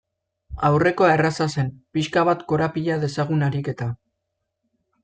Aurrekoa erraza zen, pixka bat korapila dezagun ariketa.